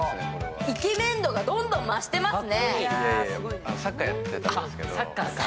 イケメン度がどんどん増してますね。